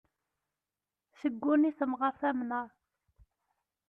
Tegguni temɣart amnar.